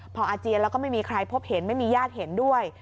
พออาเจียนแล้วก็ไม่มีใครพบเห็นไม่มีญาติเห็นด้วย